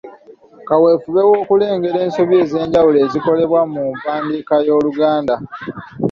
Kaweefube wa kulengera ensobi ez'enjawulo ezikolebwa mu mpandiika y'Oluganda.